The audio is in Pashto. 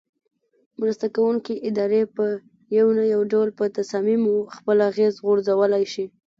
مرسته ورکوونکې ادارې په یو نه یو ډول په تصامیمو خپل اغیز غورځولای شي.